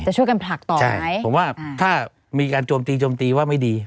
จะช่วยกันผลักต่อรึไงใช่ผมว่าถ้ามีการโจมตีว่าไม่ดี